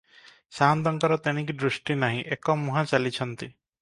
ସାଆନ୍ତଙ୍କର ତେଣିକି ଦୃଷ୍ଟି ନାହିଁ, ଏକମୁହାଁ ଚାଲିଛନ୍ତି ।